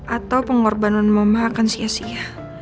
atau pengorbanan mama akan sia sia